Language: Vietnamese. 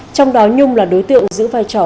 trong đó nhung là đối tượng giữ vai trò